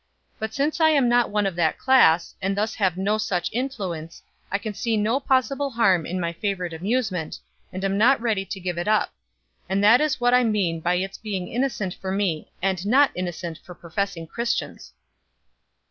But since I am not one of that class, and thus have no such influence, I can see no possible harm in my favorite amusement, and am not ready to give it up; and that is what I mean by its being innocent for me, and not innocent for professing Christians."